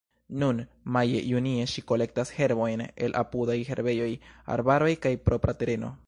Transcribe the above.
Nun, maje-junie, ŝi kolektas herbojn el apudaj herbejoj, arbaroj kaj propra tereno.